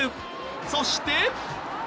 そして。